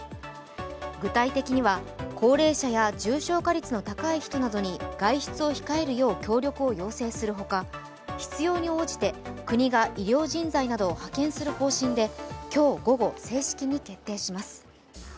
具体的には高齢者や重症化率の高い人などに外出を控えるよう協力を要請するほか、必要の応じて国が医療人材などを派遣する方針で今日午後、正式に決定します。